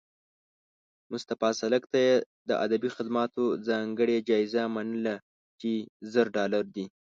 مصطفی سالک ته یې د ادبي خدماتو ځانګړې جایزه منلې چې زر ډالره دي